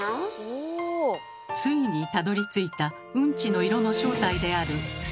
ついにたどりついたうんちの色の正体であるステルコビリン。